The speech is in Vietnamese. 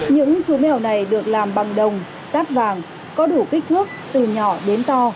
những chú mèo này được làm bằng đồng sát vàng có đủ kích thước từ nhỏ đến to